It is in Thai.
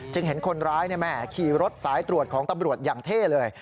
เห็นคนร้ายขี่รถสายตรวจของตำรวจอย่างเท่เลย